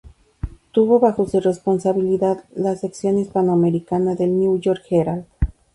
Tuvo bajo su responsabilidad la sección hispanoamericana del "New York Herald".